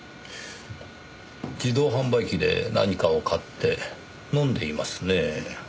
自動販売機で何かを買って飲んでいますねぇ。